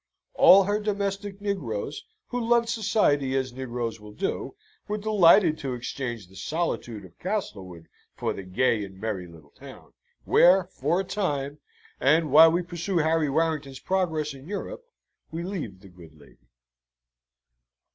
All her domestic negroes, who loved society as negroes will do, were delighted to exchange the solitude of Castlewood for the gay and merry little town; where, for a time, and while we pursue Harry Warrington's progress in Europe, we leave the good lady.